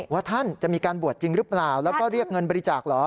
ว่าท่านจะมีการบวชจริงหรือเปล่าแล้วก็เรียกเงินบริจาคเหรอ